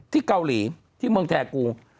ที่เกาหลีที่เมืองแทกู